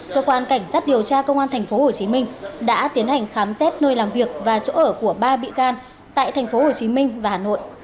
cơ quan cảnh sát điều tra công an tp hcm đã tiến hành khám xét nơi làm việc và chỗ ở của ba bị can